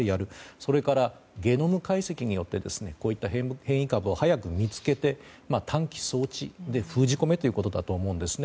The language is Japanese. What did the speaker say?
それから、ゲノム解析によってこういった変異株を早く見つけて短期措置で封じ込めてということだと思うんですね。